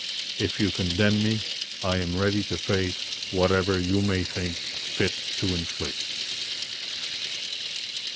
If you condemn me, I am ready to face whatever you may think fit to inflict.